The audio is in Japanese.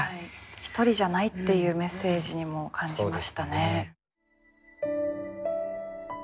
一人じゃないっていうメッセージにも感じましたね。